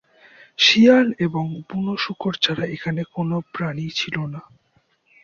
শিয়াল এবং বুনো শূকর ছাড়া এখানে কোন প্রাণী ছিল না।